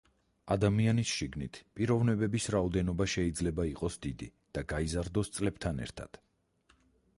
ადამიანის შიგნით პიროვნებების რაოდენობა შეიძლება იყოს დიდი და გაიზარდოს წლებთან ერთად.